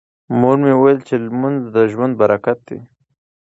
مور مې وویل چې لمونځ د ژوند برکت دی.